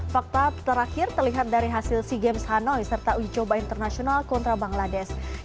fakta terakhir terlihat dari hasil sea games hanoi serta uji coba internasional kontra bangladesh